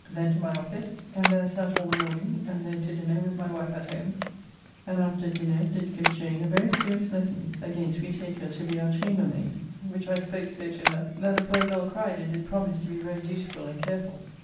Then to my office, and there sat all the morning, and then to dinner with my wife at home, and after dinner did give Jane a very serious lesson, against we take her to be our chamber maid, which I spoke so to her that the poor girl cried and did promise to be very dutifull and carefull.